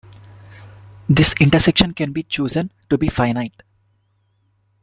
This intersection can be chosen to be finite.